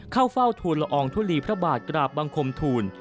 เข้าเฝ้าทูลละอองทุลีพระบาทกราบบังคมทูล